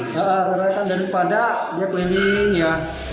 dari pada dia keliling ya